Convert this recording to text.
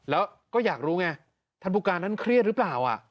แล้วก็อยากรู้ไงท่านผู้การท่านเครียดหรือเปล่า